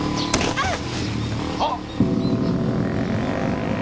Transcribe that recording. あっ！